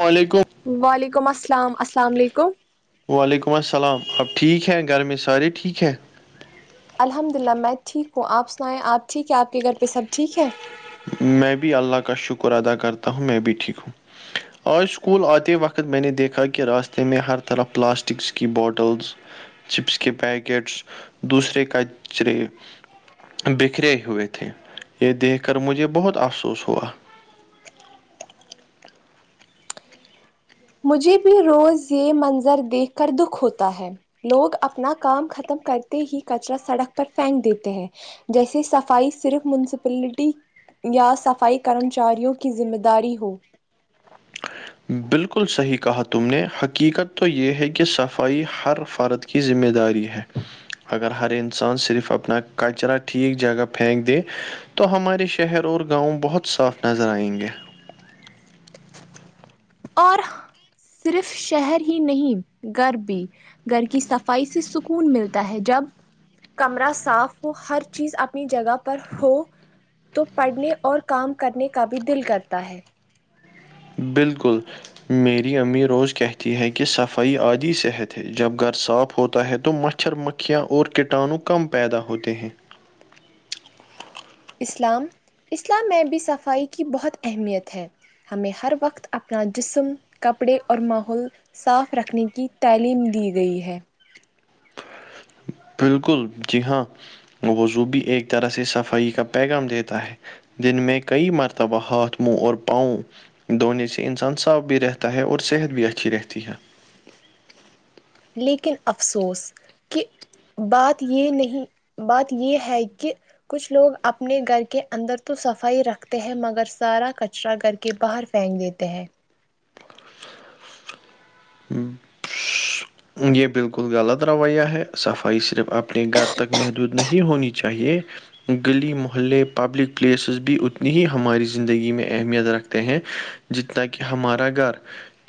السل علیکم وعلیکم السلام السلام علیکم وعلیکم السلام اپ ٹھیک ہیں گھر میں سارے ٹھیک ہیں الحمد للہ میں ٹھیک ہوں آپ سنائیں آپ ٹھیک ہے آپ کے گھر پہ سب ٹھیک ہے میں بھی اللہ کا شکر ادا کرتا ہوں میں بھی ٹھیک ہوں آج اسکول آتے وقت میں نے دیکھا کہ راستے میں ہر طرف پلاسٹکس کی بوٹلز چپس کے پیکٹس دوسرے کچرے بکھرے ہوئے تھے یہ دیکھ کر مجھے بہت افسوس ہوا مجھے بھی روز یہ منظر دیکھ کر دکھ ہوتا ہے لوگ اپنا کام ختم کرتے ہی کچرا سڑک پر پھینک دیتے ہیں جیسے صفائی صرف مونسپلٹی یا صفائی کرمچاریوں کی ذمہ داری ہو بالکل صحیح کہا تم نے حقیقت تو یہ ہے کہ صفائی ہر فرد کی کی ذمہ داری ہے اگر ہر انسان صرف اپنا کچرا ٹھیک جگہ پھینک دے تو ہمارے شہر اور گاؤں بہت صاف نظر آئیں گے اور صرف شہر ہی نہیں گر بھی گھر کی صفائی سے سکون ملتا ہے جب کمر صاف ہو ہر چیز اپنی جگہ پر ہو تو پڑھنے اور کام کرنے کا بھی دل کرتا ہے بالکل میری امی روز کہتی ہے کہ صفائی آدھی صحت ہے جب گھر صاف ہوتا ہے تو مشق مچھر مکھیاں اور کٹاانو کم پیدا ہوتے ہیں اسلام اسلام میں بھی صفائی کی بہت اہمیت ہے ہمیں ہر وقت اپنا جسم کپڑے اور ماحول صاف رکھنے کی تعلیم دی گئی ہے بالکل جی ہاں وضو بھی ایک طرح سے صفائی کا پیغام دیتا ہے جن میں کئی مرتبہ ہاتھ منہ اور پاؤں دونے سے انسان صاف بھی رہتا ہے اور صحت بھی اچھی رہتی ہے لیکن افسوس کہہ بات یہ نہیں بات یہ ہے کہ کچھ لوگ اپنے گھر کے اندر تو صفائی رکھتے ہیں مگر سارا کچرا گھر کے کے باہر پھینک دیتے ہیں یہ بالکل غلط رویہ ہے صفائی صرف اپنے گھر تک محدود نہیں ہونی چاہیے گلی محلے پبلک پلیسز بھی اتنی ہی ہماری زندگی میں اہمیت رکھتے ہیں جتنا کہ ہمارا گھر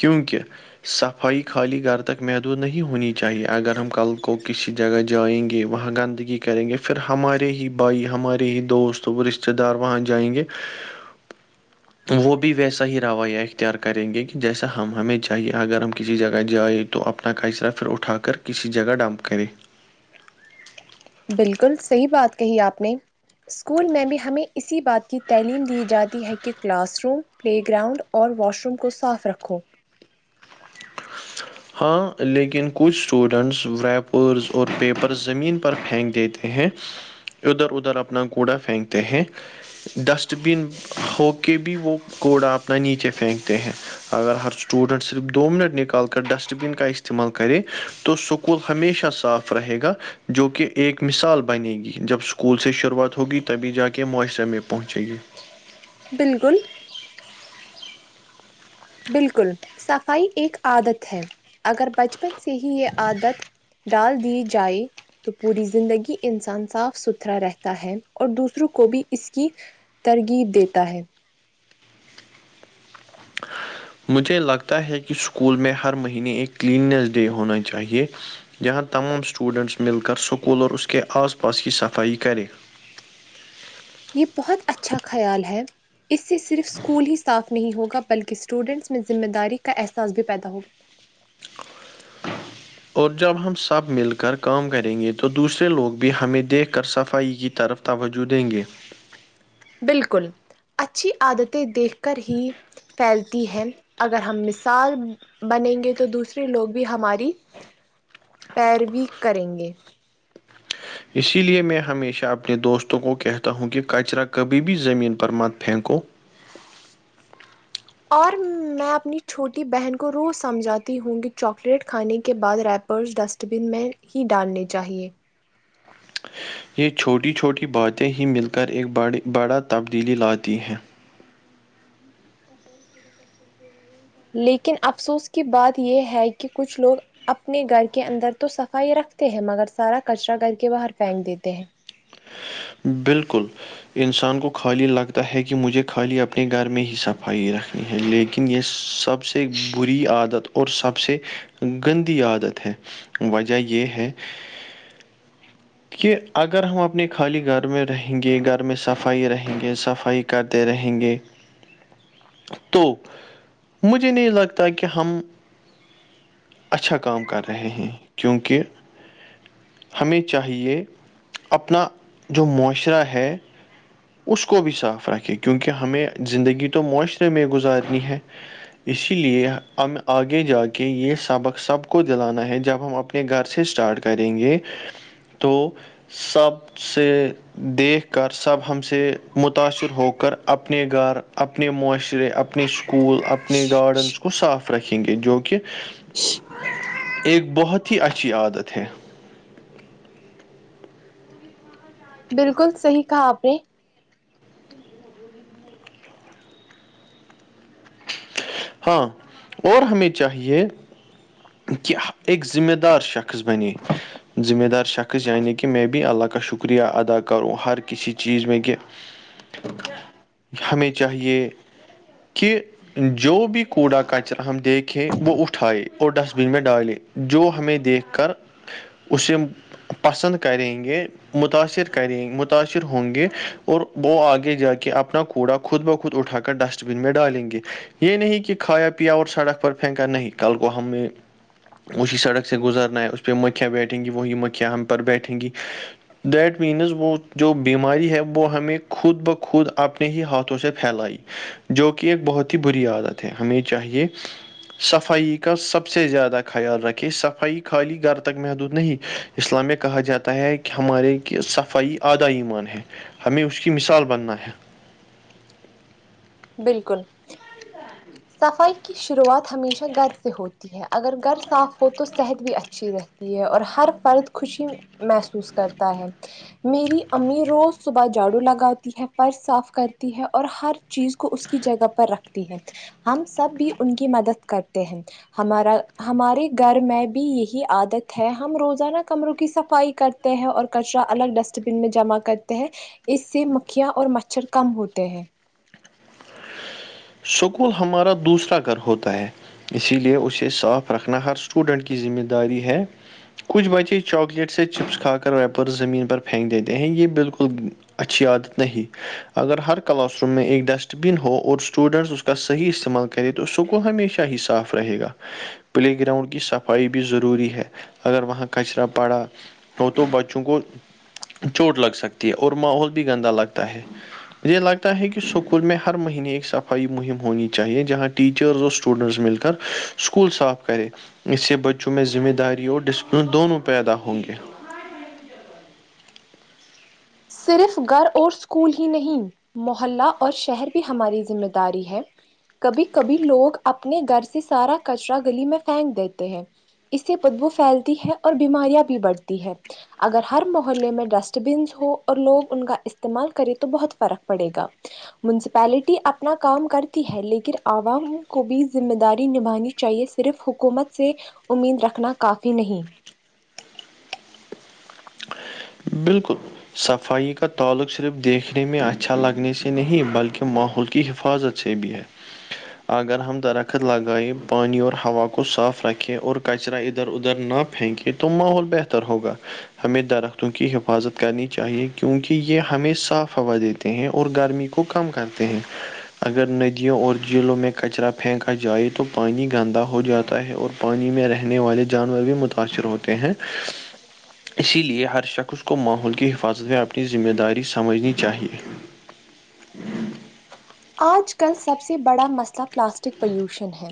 کیونکہ صفائی خالی گھر تک محدود نہیں ہونی چاہیے اگر ہم کل کو کسی جگہ جائیں گے وہاں گندگی کریں گے پھر ہمارے ہی بھائی ہمارے ہی دوست رشتے دار وہاں جائیں گے وہ بھی ویسا ہی رویہ اختیار کریں گے کہ جیسا ہمیں چاہیے اگر ہم کسی جگہ جائیں تو اپنا کچرہ پھر اٹھا کر کسی جگہ ڈمپ کرے بالکل صحیح بات کہی آپ نے اسکول میں بھی ہمیں اسی بات کی تعلیم دی جاتی ہے کہ کلاس روم پلے گراؤنڈ اور واش روم کو صاف رکھو ہاں لیکن کچھ اسٹوڈنٹس ویپرز اور پیپر زمین پر پھینک دیتے ہیں ادھر ادھر اپنا گوڑا پھینکتے ہیں ڈسٹ بن ہو کے بھی وہ کوڑا اپنا نیچے پھینکتے ہیں اگر ہر اسٹوڈنٹ صرف دو منٹ نکالتا ڈسٹ بن کا استعمال کریں تو سکول ہمیشہ صاف رہے گا جو کہ ایک مثال بنے گی جب اسکول سے شروعات ہوگی تبھی جا کے معاشرے میں پہنچے گی بالکل بالکل صفائی ایک عادت ہے اگر بچپن سے ہی یہ عادت ڈال دی جائے تو پوری زندگی انسان صاف ستھرا رہتا ہے اور دوسروں کو بھی اس کی ترغیب دیتا ہے مجھے لگتا ہے کہ اسکول میں ہر مہینے ایک کلیننیس ڈے ہونا چاہیے یہاں تمام اسٹوڈینٹس مل کر سکول اور اس کے آس پاس کی صفائی کرے یہ بہت اچھا خیال ہے اس سے صرف اسکول ہی صاف نہیں ہوگا بلکہ اسٹوڈنٹس میں ذمہ داری کا احساس بھی پیدا ہوگا اور جب ہم سب مل کر کام کریں گے تو دوسرے لوگ بھی ہمیں دیکھ کر صفائی کی طرف توجہ دیں گے بالکل اچھی عادتیں دیکھ کر ہی پھیلتی ہے اگر ہم مثال بنیں گے تو دوسرے لوگ بھی ہماری پیروی کریں گے اسی لیے میں ہمیشہ اپنے دوستوں کو کہتا ہوں کہ کچرا کبھی بھی زمین پر مت پھینکو اور میں اپنی چھوٹی بہن کو روز سمجھاتی ہوں گی چاکلیٹ کھانے کے بعد ریپرس ڈسٹ ڈسٹ بن میں ہی ڈالنے چاہیے یہ چھوٹی چھوٹی باتیں ہی مل کر ایک بڑی بڑا تبدیلی لاتی ہیں لیکن افسوس کی بات یہ ہے کہ کچھ لوگ اپنے گھر کے اندر تو صفائی رکھتے ہیں مگر سارا کچرا گھر کے باہر پھینک دیتے ہیں بالکل انسان کو خالی لگتا ہے کہ مجھے خالی اپنے گھر میں ہی صفائی رکھ ہے لیکن یہ سب سے بری عادت اور سب سے گندی عادت ہے وجہ یہ ہے کہ اگر ہم آ اپنے خالی گھر میں رہیں گے گھر میں صفائی رہیں گے صفائی کرتے رہیں گے تو مجھے نہیں لگتا کہ ہم اچھا کام کر رہے ہیں کیونکہ ہمیں چاہیے اپنا جو معاشرہ ہے اس کو بھی صاف رکھے کیونکہ ہمیں زندگی تو معاشرے میں گزارنی ہے اسی لیے ہم آگے جا کے یہ سبق سب کو دلانا ہے جب ہم اپنے اپنے گھر سے اسٹارٹ کریں گے تو سب سے دیکھ کر سب ہم سے متاثر ہو کر اپنے گھر اپنے معاشرے اپنے اسکول اپنے گارڈنس کو وہ صاف رکھیں گے جو کہ [unintelligible] ایک بہت ہی اچھی عادت ہے بالکل صحیح کہا آپ نے ہاں اور ہمیں چاہیے کہ اک ایک ذمہ دار شخص بنے ذمہ دار شخص یعنی کہ میں بھی اللہ کا شکریہ ادا کروں ہر کسی چیز میں کہ ہمیں چاہیے کہ جو بھی کوڑا کچرا ہم دیکھے وہ اٹھائے اور ڈسٹبن میں ڈالے جو ہمیں دیکھ کر اسے پسند کریں گے متاثر کریں متاثر ہوں گے اور وہ آگے جا کے اپنا کوڑا خود بخود اٹھا کر ڈسٹ بین میں ڈالیں گے یہ نہیں کہ کھایا پیا اور سڑک پر پھینکا نہیں کل کو ہم نے اسی سڑک سے گزرنا ہے اس پہ مکھیاں بیٹھیں گی وہی مکھیا ہم پر بیٹھیں گی دیٹ مینز وہ جو بیماری ہے وہ ہمیں خود بخود اپنے ہی ہاتھوں سے پھیلائی جو کہ ایک بہت ہی بری عادت ہے ہمیں چاہیے صفائی کا سب سے زیادہ خیال رکھے صفائی خالی گھر تک محدود نہیں اسلامیہ کہا جاتا ہے کہ ہمارے کی صفائی ادائی ایمان ہے ہمیں اس کی مثال بننا ہے بالکل صفائی کی شروعات ہمیشہ گھر سے ہوتی ہے ہے اگر گھر صاف ہو تو صحت بھی اچھی رہتی ہے اور ہر فرد خوشی محسوس کرتا ہے میری امی روز صبح جھاڑو لگاتی ہے فرش صاف کرتی ہے اور ہر چیز کو اس کی جگہ پر رکھتی ہیں ہم سب بھی ان کی مدد کرتے ہیں ہمارا ہمارے گھر میں بھی یہی عادت ہے ہم روزانہ کمروں کی صفائی کرتے ہیں اور کچرا الگ ڈسٹ بین میں جمع کرتے ہیں اس سے مکھیاں اور مچھر کم ہوتے ہیں سکول ہمارا دوسرا گھر ہوتا ہے اسی لیے اسے صاف رکھنا ہر اسٹوڈنٹ کی ذمہ داری ہے کچھ بچے چاکلیٹ سے چپس کھا کر ویپر زمین پر پھینک دیتے ہیں یہ بالکل اچھی عادت نہیں اگر ہر کلاس روم میں ایک ڈسٹ بن ہو اور اسٹوڈینٹس اس کا صحیح استعمال کرے تو سکول ہمیشہ ہی صاف رہے گا پلے گراؤنڈ کی صفائی بھی ضروری ہے اگر وہاں کچرا پڑا ہو تو بچوں کو چوٹ لگ سکتی ہے اور ماحول بھی گندا لگتا ہے مجھے لگتا ہے کہ سکول میں ہر مہینے ایک سفر فائی مہم ہونی چاہیے جہاں ٹیچرز اور اسٹوڈینٹس مل کر اسکول صاف کرے اس سے بچوں میں ذمہ داری اور ڈسپلن دونوں پیدا ہوں گے صرف گھر اور اسکول ہی نہیں محلہ اور شہر بھی ہماری ذمہ داری ہے کبھی کبھی لوگ اپنے گھر سے سارا کچرا گلی میں پھینک دیتے ہیں اس سے بدبو پھیلتی ہے اور بیماریاں بھی بڑھتی ہے اگر ہر محلے میں ڈسٹ بنس ہو اور لوگ ان کا استعمال کریں تو بہت فرق پڑے گا مونسپلٹی اپنا کام کرتی ہے لیکن عوام کو بھی ذمہ داری نبھانے کی چاہیے صرف حکومت سے امید رکھنا کافی نہیں بالکل صفائی کا تعلق صرف دیکھنے میں اچھا لگنے سے نہیں بلکہ ماحول کی حفاظت سے بھی ہے اگر ہم درخت لگائیں پانی اور ہوا کو صاف رکھیں اور کچرا ادھر ادھر ن ہےھیک تو ماحول بہتر ہوگا ہمیں درخت کی حفاظت کرنی چاہیے کیونکہ یہ ہمیں صاف ہوا دیتے ہیں اور گرمی کو کم کرتے ہیں اگر ندیوں اور جھیلوں میں کچرا پھینکا جائے تو پانی گندا ہو جاتا ہے اور پانی میں رہنے والے جانور بھی متاثر ہوتے ہیں اسی لیے ہر شخص کو ماحول کی حفاظت میں اپنی ذمہ داری سمجھنی چاہیے آج کل سب سے بڑا مسئلہ پلاسٹک پولوشن ہے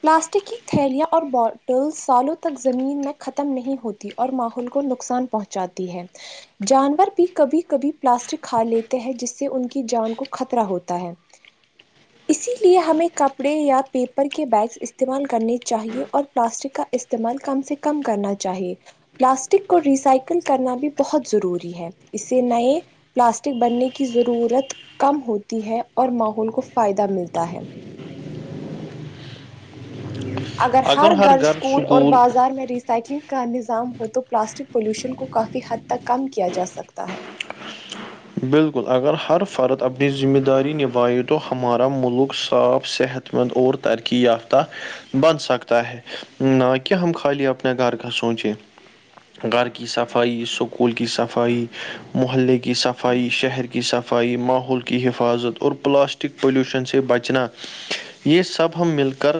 پلاسٹک کی تھیلیاں اور بوٹلز سالوں تک زمین میں ختم نہیں ہوتی اور ماحول کو نقصان پہنچاتی ہے جانور بھی کبھی کبھی پلاسٹک کھا لیتے ہیں جس سے ان کی جان کو خطرہ ہوتا ہے اسی لیے ہمیں کپڑے یا پیپر کے بیگس استعمال کرنے چاہیے اور پلاسٹک کا استعمال کم سے کم کرنا چاہیے پلاسٹک کو ریسائکل کرنا بھی بہت ضروری ہے اسے نئے پلاسٹک بننے کی ضرورت کم ہوتی ہے اور ماحول کو فائدہ ملتا ہے اگر ہر گھر اسکول اور بازار میں سائکلنگ کا نظام ہو تو پلاسٹک پالوشن کو کافی حد تک کم کیا جا سکتا ہے بالکل اگر ہر فرد اپنی ذمہ داری نبھائے تو ہمارا ملک صاف صحت اور ترقی یافتہ بن سکتا ہے نہ کہ ہم خالی اپنے گھر کا سوچیں گھر کی صفائی سکول کی صفائی محلے کی صف صفائی شہر کی صفائی ماحول کی حفاظت اور پلاسٹک پولیوشن سے بچنا یہ سب ہم مل کر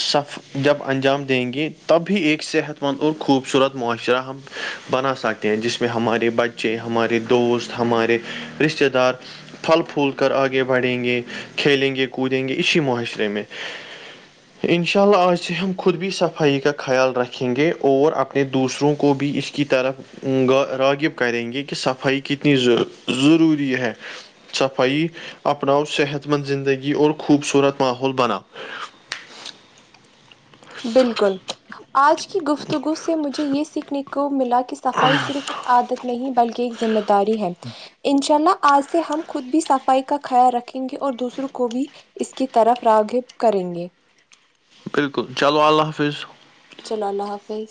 سفر جب انجام دیں گے تب بھی ایک صحت مند اور خوبصورت معاشرہ ہم بنا سکتے ہیں جس میں ہمارے بچے ہمارے دوست ہمارے رشتتے دار پھل پھول کر آگے بڑھیں گے کھیلیں گے کودیں گے اسی معاشرے میں ان شاء اللہ آج سے ہم خود بھی صفائی کا خیال رکھیں گے اور اپنے دوسروں کو بھی اس کی طرف راغب کریں گے کہ صفائی کتنی ضروری ہے صفائی اپناؤ صحت مند زندگی اور خوبصورت ماحول بنا بالکل آج کی گفتگو سے مجھے یہ سیکھنے کو ملا کہ صفائی صرف ایک عادت نہیں بلکہ ایک ذمہ داری ہے انشاء اللہ آج سے ہم خود بھی صفائی کا خیال رکھیں گے اور دوسروں کو بھی اس کی طرف راغب کریں گے بالکل چلو اللہ حافظ چلو اللہ حافظ